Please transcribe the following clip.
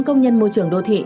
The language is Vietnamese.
bốn công nhân môi trường đô thị